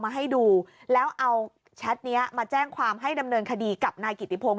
มาให้ดูแล้วเอาแชทนี้มาแจ้งความให้ดำเนินคดีกับนายกิติพงศ